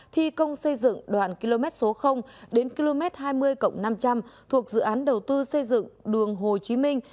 thi công xây dựng đoạn km số đến km hai mươi năm trăm linh thuộc dự án đầu tư xây dựng đường hồ chí minh